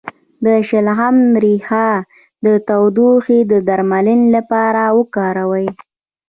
د شلغم ریښه د ټوخي د درملنې لپاره وکاروئ